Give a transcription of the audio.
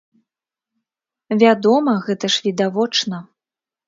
Вядома, гэта ж відавочна.